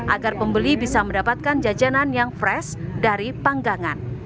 agar pembeli bisa mendapatkan jajanan yang fresh dari panggangan